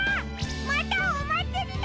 またおまつりだ！